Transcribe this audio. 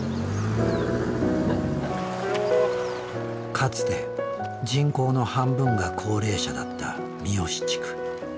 かつて人口の半分が高齢者だった三義地区。